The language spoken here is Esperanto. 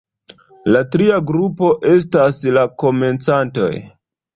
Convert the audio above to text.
La tria grupo estas la komencantoj.